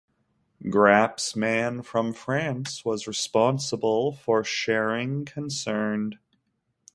Grap's man from France was responsible for sharing concerned.